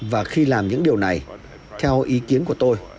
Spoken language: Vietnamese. và khi làm những điều này theo ý kiến của tôi